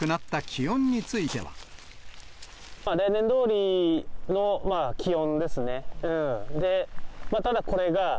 また、例年どおりの気温ですね。